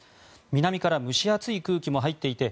南から蒸し暑い空気も入っていて